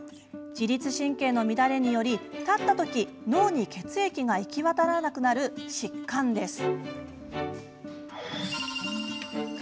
自律神経の乱れにより立った時、脳に血液が行き渡らなくなる疾患です。